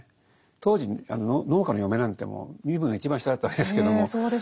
当時農家の嫁なんてもう身分が一番下だったわけですけども。